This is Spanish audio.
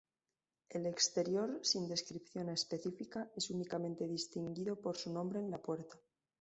El exterior sin descripción específica es únicamente distinguido por su nombre en la puerta.